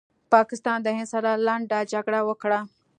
پاکستان د هند سره لنډه جګړه وکړله